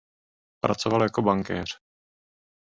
Pracoval jako bankéř.